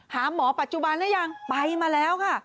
หาหมอปัจจุบันหรือยังไปมาแล้วค่ะ